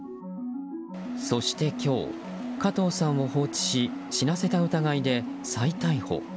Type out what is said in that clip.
そして今日、加藤さんを放置し死なせた疑いで再逮捕。